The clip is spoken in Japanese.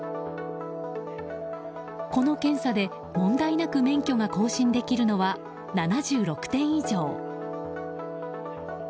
この検査で問題なく免許が更新できるのは７６点以上。